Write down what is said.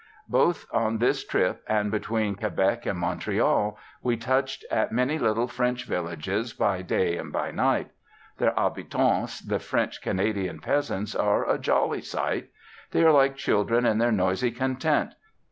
Both on this trip, and between Quebec and Montreal, we touched at many little French villages, by day and by night. Their habitants, the French Canadian peasants, are a jolly sight. They are like children in their noisy content.